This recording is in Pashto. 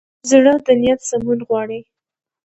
زړه د نیت سمون غواړي.